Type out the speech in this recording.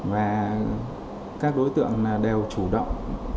và các đối tượng đều chủ động